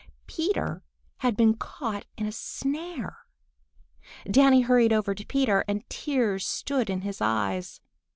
Peter had been caught in a snare! Danny hurried over to Peter and tears stood in his eyes.